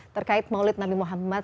terkait maulid nabi muhammad